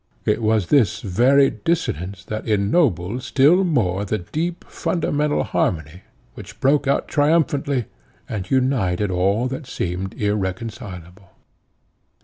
But it was this very dissonance that ennobled still more the deep fundamental harmony, which broke out triumphantly, and united all that seemed irreconcileable.